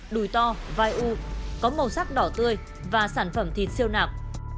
đùi to vai u có màu sắc đỏ tươi và sản phẩm thịt siêu nạp